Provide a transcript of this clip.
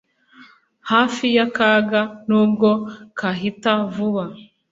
hafi y'akaga, nubwo kahita vuba